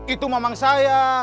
itu memang saya